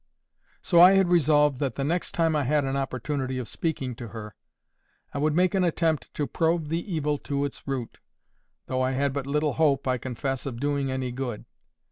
So I had resolved that the next time I had an opportunity of speaking to her, I would make an attempt to probe the evil to its root, though I had but little hope, I confess, of doing any good.